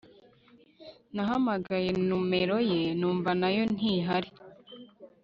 nahamagaye numero ye numva nayo ntihari